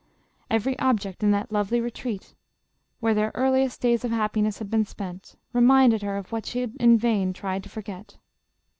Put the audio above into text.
Every object in that lovely retreat where their earliest JOSEPHINE. 261 days of happiness had been spent, reminded her of what she in vain tried to forget.